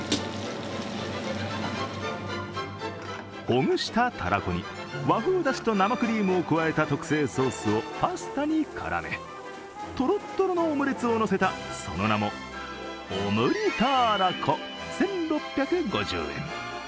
ほぐしたたらこに、和風だしと生クリームを加えた特製ソースをパスタに絡めとろっとろのオムレツをのせたその名もオムリターラコ１６５０円。